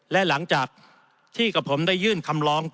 และหลังจากที่กับผมได้ยื่นคำร้อง